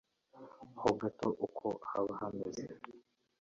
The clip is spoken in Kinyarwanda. ho gato uko haba hameze